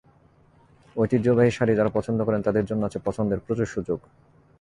ঐতিহ্যবাহী শাড়ি যাঁরা পছন্দ করেন, তাঁদের জন্য আছে পছন্দের প্রচুর সুযোগ।